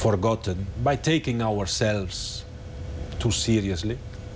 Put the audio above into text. นั่นคือหน้าที่ของฟีฟา